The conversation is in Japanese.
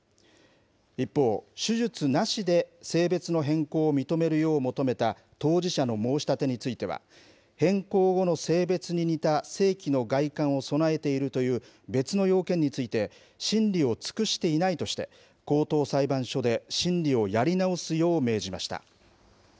一方、手術なしで性別の変更を認めるよう求めた当事者の申し立てについては、変更後の性別に似た性器の外観を備えているという別の要件について、審理を尽くしていないとして、高等裁判所で審理をやり直すよう命じました。